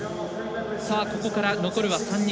ここから残るは３人。